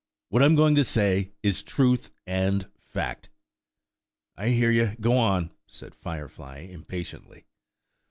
What I am going to say is truth and fact." "I hear you; go on," said Firefly, impatiently.